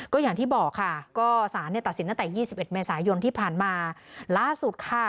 ก็อย่างที่บอกค่ะก็สารเนี่ยตัดสินตั้งแต่ยี่สิบเอ็ดเมษายนที่ผ่านมาล่าสุดค่ะ